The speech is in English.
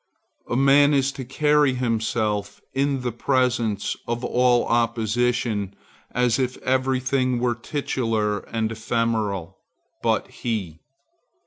A man is to carry himself in the presence of all opposition as if every thing were titular and ephemeral but he.